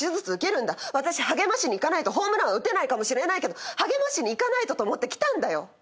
私励ましに行かないとホームラン打てないかもしれないけど励ましに行かないとと思って来たんだよ。